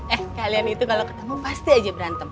eh kalian itu kalau ketemu pasti aja berantem